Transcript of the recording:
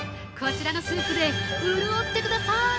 こちらのスープで、潤ってください！